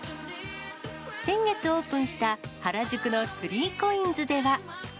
先月オープンした、原宿の３コインズでは。